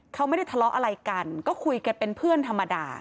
เขาไม่ได้ทะเลาะอะไรกันก็คุยกันเป็นเพื่อนธรรมดา